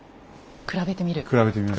比べてみる。